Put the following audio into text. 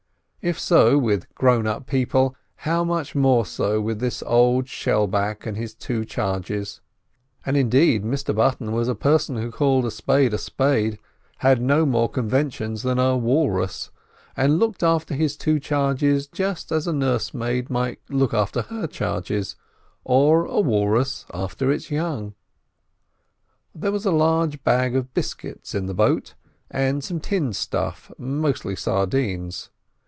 If so with grown up people, how much more so with this old shell back and his two charges? And indeed Mr Button was a person who called a spade a spade, had no more conventions than a walrus, and looked after his two charges just as a nursemaid might look after her charges, or a walrus after its young. There was a large bag of biscuits in the boat, and some tinned stuff—mostly sardines.